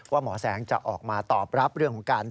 หมอแสงจะออกมาตอบรับเรื่องของการ